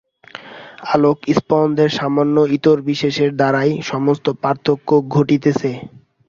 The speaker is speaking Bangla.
আলোক-স্পন্দনের সামান্য ইতরবিশেষের দ্বারাই সমস্ত পার্থক্য ঘটিতেছে।